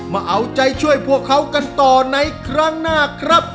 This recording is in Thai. มาเอาใจช่วยพวกเขากันต่อในครั้งหน้าครับ